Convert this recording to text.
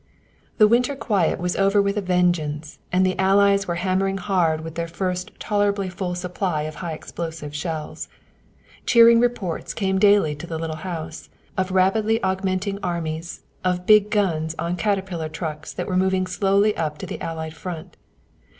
The winter quiet was over with a vengeance, and the Allies were hammering hard with their first tolerably full supply of high explosive shells. Cheering reports came daily to the little house , of rapidly augmenting armies, of big guns on caterpillar trucks that were moving slowly up to the Allied Front.